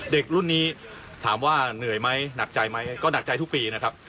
เด็กรุ่นนี้ถามว่าเหนื่อยไหมหนักใจไหมก็หนักใจทุกปีนะครับ